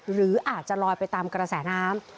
หรืออาจจะลอยไปตามกระแสน้ำ